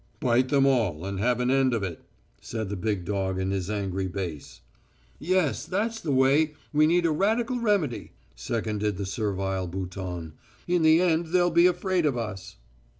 "Bite them all, and have an end of it!" said the big dog in his angry bass. "Yes, that's the way; we need a radical remedy," seconded the servile Bouton. "In the end they'll be afraid of us."